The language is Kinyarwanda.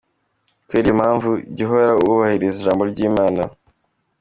kubera iyo mpamvu jya uhora wubahiriza ijambo ry'Imana.